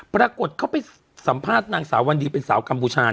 ปรากฏเขาไปสัมภาษณ์นางสาววันดีเป็นสาวกัมพูชา